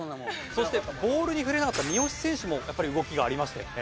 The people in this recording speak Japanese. そしてボールに触れなかった三好選手もやっぱり動きがありましたよね。